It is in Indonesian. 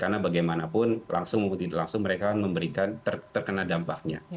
karena bagaimanapun langsung mereka memberikan terkena dampaknya